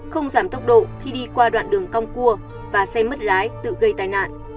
không giảm tốc độ khi đi qua đoạn đường cong cua và xe mất lái tự gây tai nạn